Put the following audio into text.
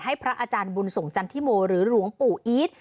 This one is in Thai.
พระอาจารย์บุญส่งจันทิโมหรือหลวงปู่อีท